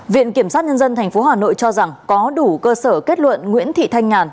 viện kiểm sát nhân dân tp hà nội cho rằng có đủ cơ sở kết luận nguyễn thị thanh nhàn